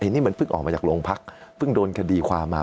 นี่มันเพิ่งออกมาจากโรงพักเพิ่งโดนคดีความมา